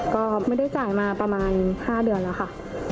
ก็ไม่ได้จ่ายมาประมาณ๕เดือนแล้วค่ะ